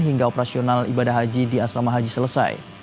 hingga operasional ibadah haji di asrama haji selesai